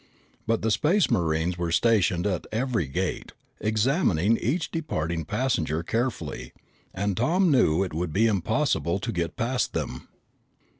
But the Space Marines were stationed at every gate, examining each departing passenger carefully, and Tom knew it would be impossible to get past them.